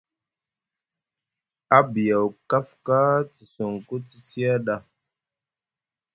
A biyaw kafka te sinku te siaɗa.